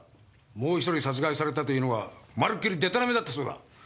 もう１人殺害されたというのは丸っきりデタラメだったそうだ。